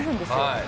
はい。